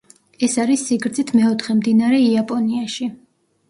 ეს არის სიგრძით მეოთხე მდინარე იაპონიაში.